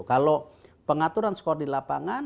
kalau pengaturan skor di lapangan